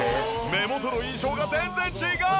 目元の印象が全然違う！